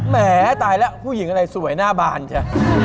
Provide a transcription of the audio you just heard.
แหมตายแล้วผู้หญิงอะไรสวยหน้าบานจ้ะ